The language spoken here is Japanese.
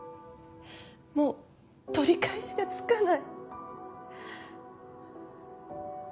もう取り返しがつかない。